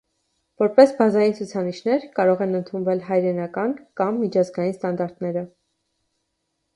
Որպես բազային ցուցանիշներ՝ կարող են ընդունվել հայրենական կամ միջազգային ստանդարտները։